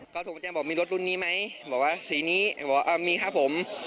ก็โทรมาแจ้งบอกมีรถรุ่นนี้ไหมบอกว่าสีนี้บอกว่ามีครับผม